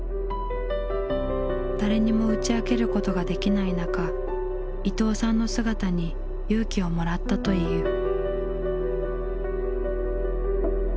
誰にも打ち明けることができない中伊藤さんの姿に勇気をもらったという。